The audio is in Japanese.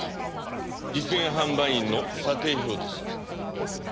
実演販売員の査定表です。